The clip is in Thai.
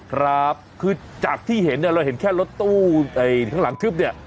ครับคือจากที่เห็นเนี่ยเราเห็นแค่รถตู้ข้างหลังทึบเนี่ย